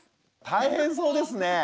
大変そうですね。